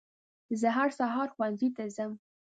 زه هر سهار ښوونځي ته ځم.